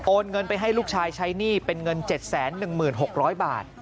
เงินไปให้ลูกชายใช้หนี้เป็นเงิน๗๑๖๐๐บาท